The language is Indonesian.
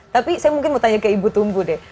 tapi saya mungkin mau tanya ke ibu tumbu deh